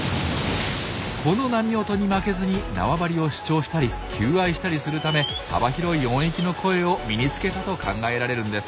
この波音に負けずに縄張りを主張したり求愛したりするため幅広い音域の声を身につけたと考えられるんです。